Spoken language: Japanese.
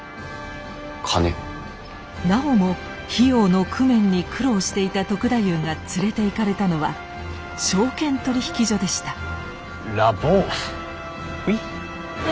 なおも費用の工面に苦労していた篤太夫が連れていかれたのは証券取引所でした。